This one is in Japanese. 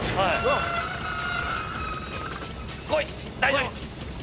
大丈夫。